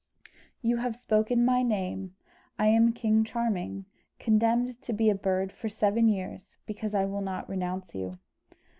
"You have spoken my name. I am King Charming, condemned to be a bird for seven years, because I will not renounce you."